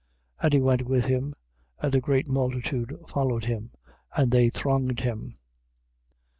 5:24. And he went with him, and a great multitude followed him, and they thronged him.